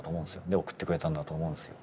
で送ってくれたんだと思うんですよ。